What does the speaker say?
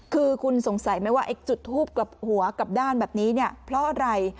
คือคุณสงสัยไหมว่าไอ้จุดทูบกลับหัวกลับด้านแบบนี้เนี่ยเพราะอะไร